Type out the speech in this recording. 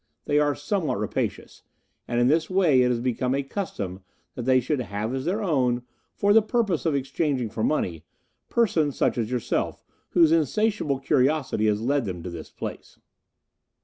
They are somewhat rapacious, and in this way it has become a custom that they should have as their own, for the purpose of exchanging for money, persons such as yourself, whose insatiable curiosity has led them to this place."